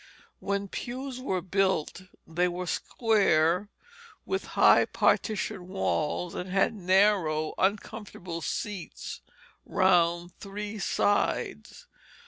When pews were built they were square, with high partition walls, and had narrow, uncomfortable seats round three sides.